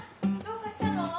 どうかしたの？